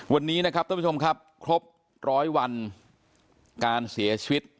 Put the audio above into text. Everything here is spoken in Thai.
วันนี้นะครับท่านผู้ชมครับครบร้อยวันการเสียชีวิต